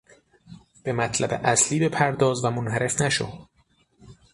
به مطلب اصلی بپرداز و منحرف نشو!